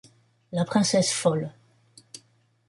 La princesse folle.